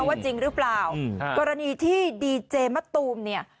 ว่าจริงหรือเปล่ากรณีที่ดีเจมะตูมเนี่ย